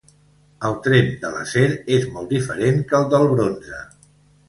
El tremp de l’acer és molt diferent que el del bronze.